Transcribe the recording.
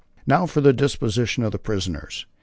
Now for the disposition of the prisoners.